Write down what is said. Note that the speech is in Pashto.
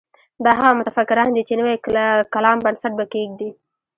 دا هغه متفکران دي چې نوي کلام بنسټ به کېږدي.